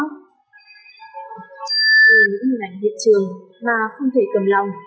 những hình ảnh hiện trường mà không thể cầm lòng